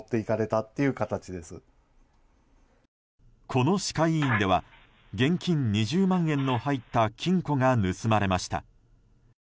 この歯科医院では現金２０万円の入った金庫が盗まれました。